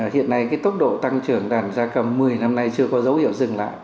hiện nay cái tốc độ tăng trưởng đàn gia cầm một mươi năm nay chưa có dấu hiệu dừng lại